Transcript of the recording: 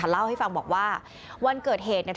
เดี๋ยวจะเล่าให้ฟังบอกว่าวันเกิดเหตุเนี้ย